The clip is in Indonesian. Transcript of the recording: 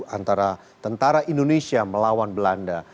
antara tentara indonesia melawan belanda